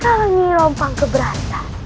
kalau ini rompang keberatan